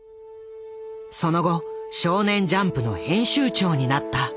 その後少年ジャンプの編集長になった。